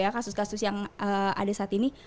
kasus kasus yang ada saat ini